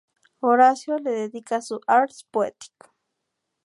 Horacio le dedica su "Ars poetic".